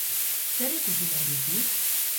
Zer ikusi nahi duzu?